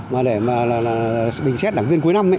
mà để bình xét đảng viên cuối năm